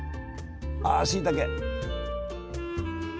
あしいたけ！